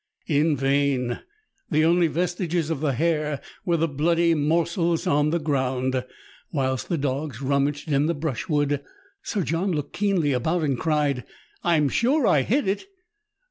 In vain ! the only vestiges of the hare were the bloody morsels on the ground. Whilst the dogs rummaged in the brushwood, Sir John looked keenly about, and cried,— " I am sure I hit it